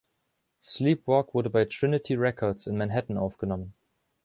"Sleep Walk" wurde bei Trinity Records in Manhattan aufgenommen.